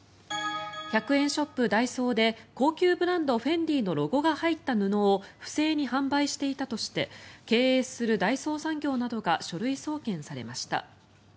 １００円ショップ、ダイソーで高級ブランドフェンディのロゴが入った布を不正に販売していたとして経営する大創産業などが書類送検されました。